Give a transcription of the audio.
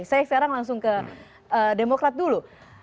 saya sekarang langsung ke demokrat dulu